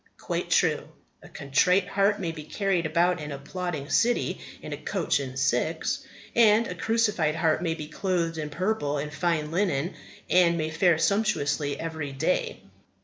Quite true. A contrite heart may be carried about an applauding city in a coach and six; and a crucified heart may be clothed in purple and fine linen, and may fare sumptuously every day.